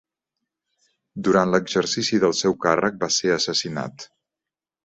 Durant l'exercici del seu càrrec va ser assassinat.